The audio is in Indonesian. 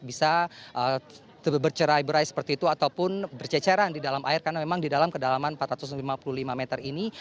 bisa bercerai berai seperti itu ataupun berceceran di dalam air karena memang di dalam kedalaman empat ratus lima puluh lima meter ini